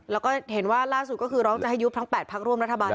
แล้วก็เห็นว่าล่าสุดก็คือร้องจะให้ยุบทั้ง๘พักร่วมรัฐบาล